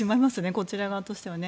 こちら側としてはね。